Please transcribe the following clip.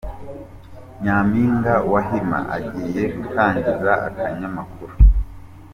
Nyampinga wa Hima agiye gutangiza akanyamakuru